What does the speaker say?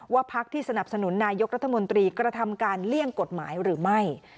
พักที่สนับสนุนนายกรัฐมนตรีกระทำการเลี่ยงกฎหมายหรือไม่